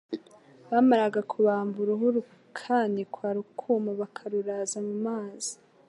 Bamaraga kubamba uruhu rukanikwa rukuma bakaruraza mu mazi,